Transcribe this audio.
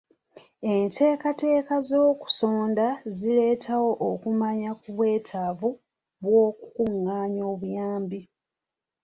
Enteekateeka z'okusonda zireetawo okumanya ku bwetaavu bw'okukungaanya obuyambi.